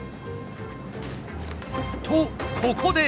とここで。